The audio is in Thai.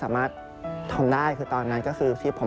ผมหมออยู่ในนตั้งแต่เด็กก็ปิดเทอม